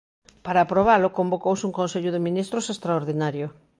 Para aprobalo convocouse un Consello de Ministros extraordinario.